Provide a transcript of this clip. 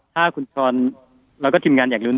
ถ้าคุณชรเราก็ทีมงานอยาก